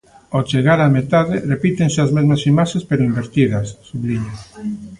Ao chegar á metade, repítense as mesmas imaxes pero invertidas, subliña.